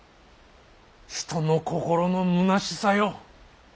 人の心のむなしさよ。